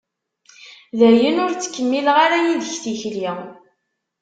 Dayen, ur ttkemmileɣ ara yid-k tikli.